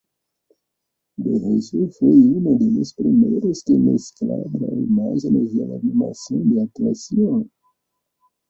De hecho fue uno de los primeros que mezclaba imágenes y animación de actuación.